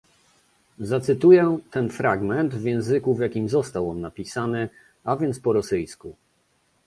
Zacytuję ten fragment w języku, w jakim został on napisany, a więc po rosyjsku